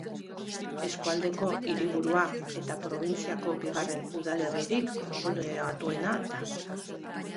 Eskualdeko hiriburua eta probintziako bigarren udalerririk populatuena da.